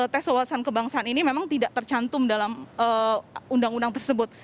tes wawasan kebangsaan ini memang tidak tercantum dalam undang undang tersebut